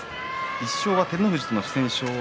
１勝は照ノ富士との不戦勝。